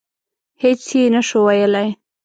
هېڅ یې نه شو ویلای.